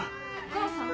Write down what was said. お母さん！？